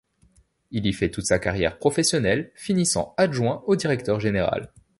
Il y fait toute sa carrière professionnelle, finissant adjoint au directeur général.